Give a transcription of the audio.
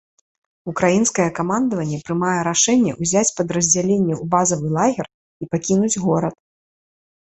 Украінскае камандаванне прымае рашэнне ўзяць падраздзяленні ў базавы лагер і пакінуць горад.